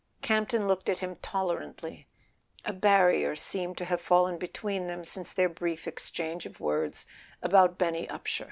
Campton looked at him tolerantly: a barrier seemed to have fallen between them since their brief exchange of words about Benny Upsher.